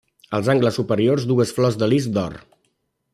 Als angles superiors dues flors de lis d'or.